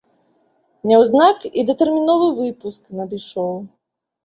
Няўзнак і датэрміновы выпуск надышоў.